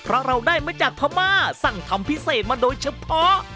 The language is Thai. เพราะเราได้มาจากพม่าสั่งทำพิเศษมาโดยเฉพาะ